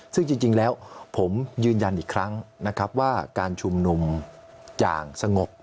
ซึ่งจริงแล้วผมยืนยันอีกครั้งนะครับว่าการชุมนุมอย่างสงบ